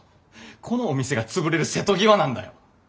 このお店が潰れる瀬戸際なんだよ。